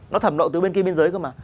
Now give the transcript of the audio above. nó thầm nộ từ bên kia biên giới cơ mà